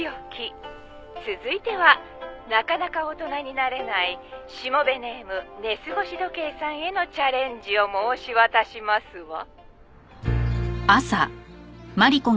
「続いてはなかなか大人になれないしもべネーム寝過ごし時計さんへのチャレンジを申し渡しますわ」